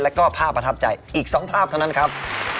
แล้วก็ภาพประทับใจอีก๒ภาพเท่านั้นครับ